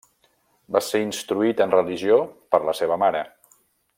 Va ser instruït en religió per la seva mare.